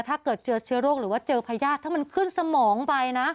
ถ้าเกิดเจอเชื้อโรคหรือว่าเจอพญาติถ้ามันขึ้นสมองไปนะ